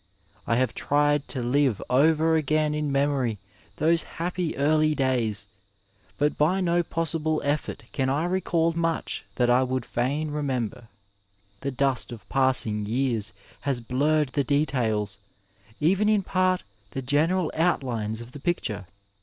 I have tried to live over again in memory those happy early days, but by no possible effort can I recall much that I would fainremember. The dust of passmg years has blurred the details, even in part the general outlines of the picture.